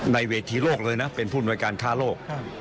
ในเวทีโลกเลยนะเป็นผู้อำนวยการค้าโลก